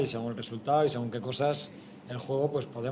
dan menurut kesempatan